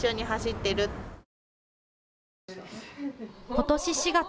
ことし４月。